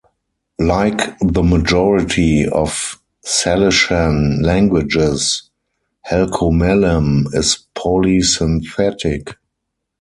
Like the majority of Salishan languages, Halkomelem is polysynthetic.